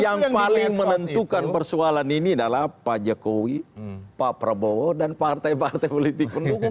yang paling menentukan persoalan ini adalah pak jokowi pak prabowo dan partai partai politik pendukung